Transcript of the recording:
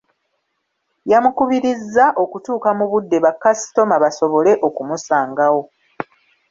Yamukubirizza okutuuka mu budde bakasitoma basobole okumusangawo.